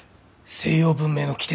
西洋文明の起点！